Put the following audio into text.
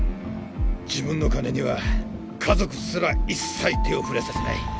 自分の金には家族すら一切手を触れさせない。